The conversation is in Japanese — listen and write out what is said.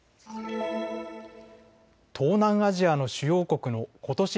東南アジアの主要国のことし